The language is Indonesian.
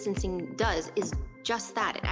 apa yang dilakukan pembebasan fisik adalah hanya itu